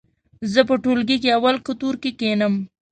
زه په ټولګي کې اول قطور کې کېنم.